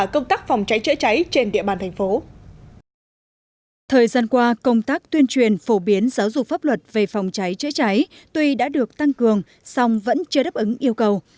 công tác tuyên truyền phổ biến giáo dục pháp luật về phòng cháy chữa cháy tuy đã được tăng cường song vẫn chưa đáp ứng yêu cầu